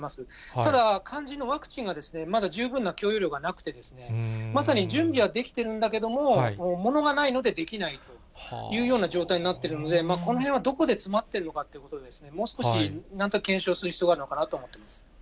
ただ肝心のワクチンが、まだ十分な供給量がなくて、まさに準備はできているんだけれども、物がないのでできないというような状態になっているので、このへんはどこで詰まっているかということで、もう少しなんとか検証する必要があるかなと思ってます。